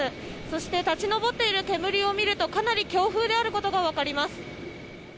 そして立ち上っている煙を見るとかなり強風であることが分かります。